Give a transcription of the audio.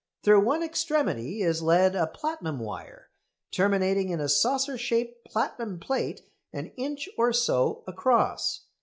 Through one extremity is led a platinum wire, terminating in a saucer shaped platinum plate an inch or so across.